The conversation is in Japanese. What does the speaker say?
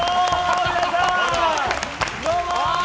皆さん！